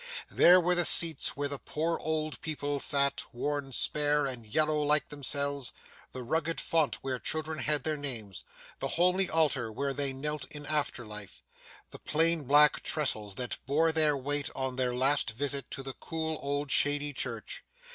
There were the seats where the poor old people sat, worn spare, and yellow like themselves; the rugged font where children had their names, the homely altar where they knelt in after life, the plain black tressels that bore their weight on their last visit to the cool old shady church.